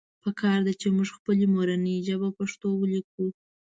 پکار ده چې مونږ خپله مورنۍ ژبه پښتو وليکو